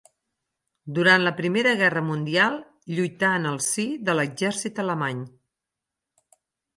Durant la Primera Guerra Mundial lluità en el si de l'exèrcit alemany.